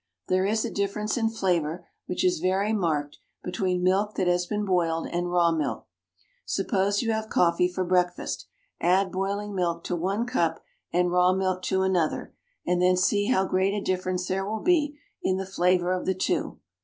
There is a difference in flavour, which is very marked, between milk that has been boiled and raw milk. Suppose you have coffee for breakfast, add boiling milk to one cup and raw milk to another, and then see how great a difference there will be in the flavour of the two.